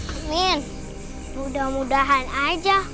amin mudah mudahan aja